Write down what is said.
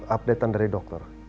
update an dari dokter